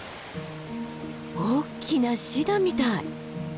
おっきなシダみたい。